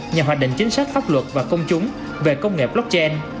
nhà hoạch định chính sách pháp luật và công chúng về công nghệ blockchain